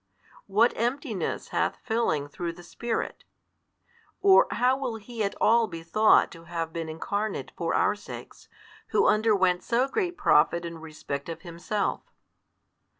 What emptiness hath filling through the Spirit? or how will He at all be thought to have been Incarnate for our sakes, Who underwent so great profit in respect of Himself?